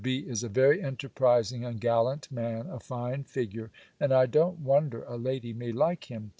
B. is a very enterprising and gallant man, a fine figure, and I don't wonder a lady may like him.